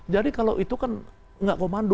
jadi kalau itu kan gak komando